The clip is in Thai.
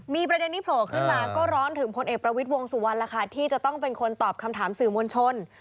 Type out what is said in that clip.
มีประเด็นที่โผล่ขึ้นมาก็ร้อนถึงพลเอกประวิทย์วงสุวรรณล่ะค่ะที่จะต้องเป็นคนตอบคำถามสื่อมวลชน